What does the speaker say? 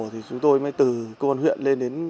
thì chúng tôi mới từ cơ quan huyện lên đến